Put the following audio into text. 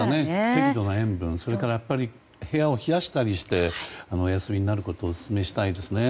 適度な塩分それから部屋をしっかり冷やしてお休みになることをオススメしたいですね。